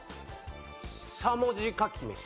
しゃもじかきめし。